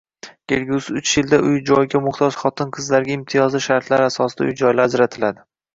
Kelgusi uch yilda uy-joyga muhtoj xotin-qizlarga imtiyozli shartlar asosida uy-joylar ajratiladi.